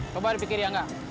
coba dipikir ya nggak